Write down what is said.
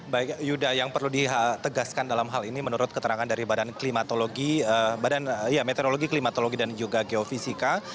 baik yuda yang perlu ditegaskan dalam hal ini menurut keterangan dari badan meteorologi klimatologi dan juga geofisika